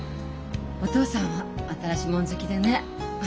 お父さんは新しもの好きでね。